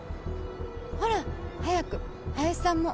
ほら早く林さんも。